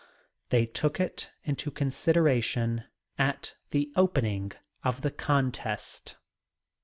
They took it into consideration at the opening of the contest.